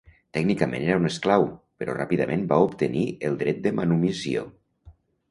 Tècnicament era un esclau, però ràpidament va obtenir el dret de manumissió.